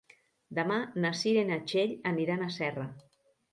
Demà na Cira i na Txell aniran a Serra.